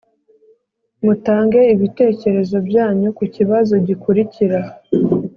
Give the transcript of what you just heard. mutange ibitekerezo byanyu ku kibazo gikurikira